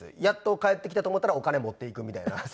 やっと帰ってきたと思ったらお金持っていくみたいな。